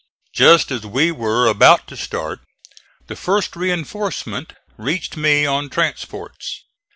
Just as we were about to start the first reinforcement reached me on transports.